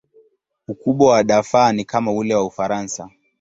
Ukubwa wa Darfur ni kama ule wa Ufaransa.